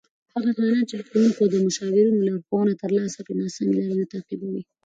هغه ځوانان چې له ښوونکو او مشاورینو لارښوونه ترلاسه کړي، ناسمې لارې نه تعقیبوي.